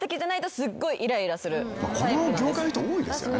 この業界の人多いですよね。